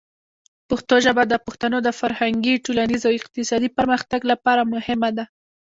پښتو ژبه د پښتنو د فرهنګي، ټولنیز او اقتصادي پرمختګ لپاره مهمه ده.